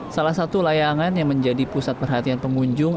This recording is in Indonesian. salah satu layangan yang menjadi pusat perhatian pengunjung